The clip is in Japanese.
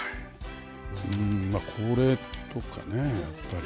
まあこれとかねやっぱり。